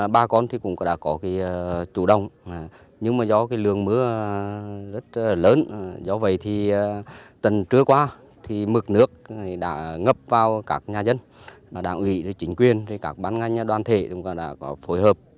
ba con cũng đã có chủ động nhưng do lương mưa rất lớn do vậy tần trưa qua mực nước đã ngập vào các nhà dân đảng ủy chính quyền các bán ngành đoàn thể đã có phối hợp